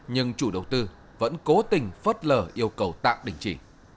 nhưng chủ đầu tư vẫn cố tình phớt lờ yêu cầu tạm đình chỉ